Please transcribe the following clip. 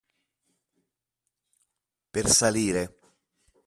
Per salire!